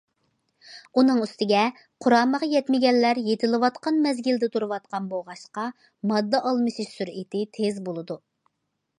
ئۇنىڭ ئۈستىگە قۇرامىغا يەتمىگەنلەر يېتىلىۋاتقان مەزگىلدە تۇرۇۋاتقان بولغاچقا، ماددا ئالمىشىش سۈرئىتى تېز بولىدۇ.